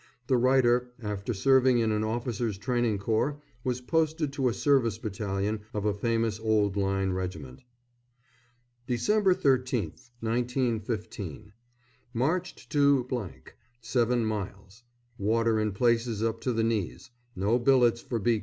The writer after serving in an Officers' Training Corps, was posted to a Service battalion of a famous old Line regiment.] Dec. 13th, 1915. Marched to , seven miles. Water in places up to the knees. No billets for B Co.